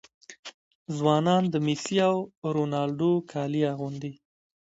ځوانان د میسي او رونالډو کالي اغوندي.